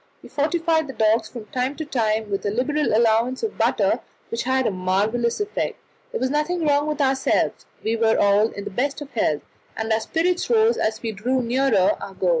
We fortified the dogs from time to time with a liberal allowance of butter, which had a marvellous effect. There was nothing wrong with ourselves; we were all in the best of health, and our spirits rose as we drew nearer our goal.